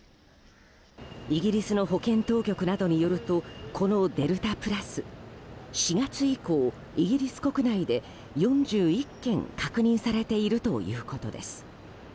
イギリスの保健当局などによるとこのデルタプラス、４月以降イギリス国内で、４１件確認されているということです。